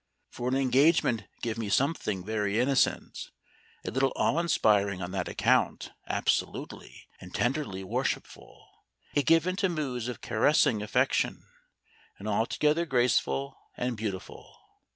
For an engagement give me something very innocent, a little awe inspiring on that account, absolutely and tenderly worshipful, yet given to moods of caressing affection, and altogether graceful and beautiful.